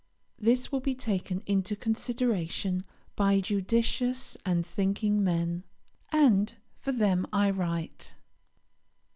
This will be taken into consideration by judicious and thinking men; and for them I write.